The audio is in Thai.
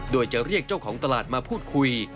โดยจะเรียกเจ้าของตลาดมาพูดคุย